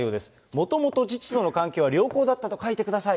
もともと父との関係は良好だったと書いてください。